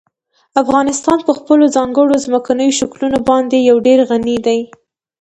افغانستان په خپلو ځانګړو ځمکنیو شکلونو باندې یو ډېر غني دی.